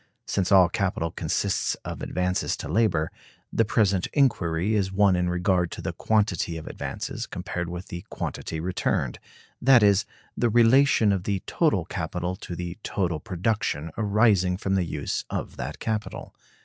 Since all capital consists of advances to labor, the present inquiry is one in regard to the quantity of advances compared with the quantity returned; that is, the relation of the total capital to the total production arising from the use of that capital.